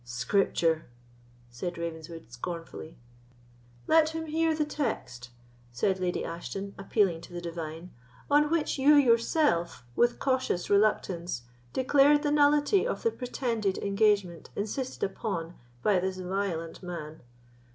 "Scripture!" said Ravenswood, scornfully. "Let him hear the text," said Lady Ashton, appealing to the divine, "on which you yourself, with cautious reluctance, declared the nullity of the pretended engagement insisted upon by this violent man."